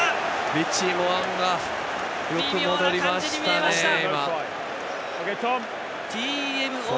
リッチー・モウンガがよく戻りましたね。